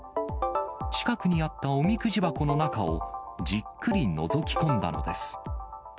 近くにあったおみくじ箱の中を、じっくりのぞき込んだのです。